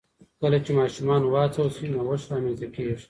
کله چې ماشومان وهڅول شي، نوښت رامنځته کېږي.